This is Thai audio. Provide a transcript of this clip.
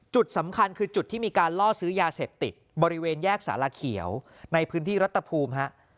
จุดสำคัญคือจุดที่มีการล่อซื้อยาเสพติดบริเวณแยกสาระเขียวในพื้นที่รัฐภูมิฮะ